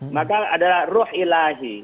maka adalah ruh ilahi